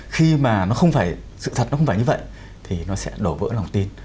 khi mà nó không phải sự thật nó không phải như vậy thì nó sẽ đổ vỡ lòng tin